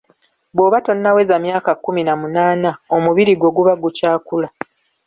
Bw'oba tonnaweza myaka kumi na munaana omubiri gwo guba gukyakula.